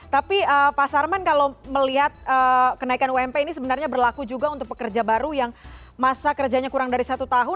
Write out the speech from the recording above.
tapi pak sarman kalau melihat kenaikan ump ini sebenarnya berlaku juga untuk pekerja baru yang masa kerjanya kurang dari satu tahun